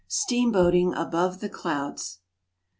STEAMBOATING ABOVE THE CLOUDS.